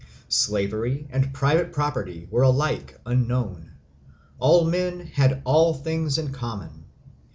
Slavery and private property were alike unknown: all men had all things in common.